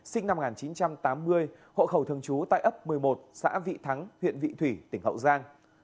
sinh năm một nghìn chín trăm tám mươi hộ khẩu thường trú tại ấp một mươi một xã vị thắng huyện vị thủy tỉnh hậu giang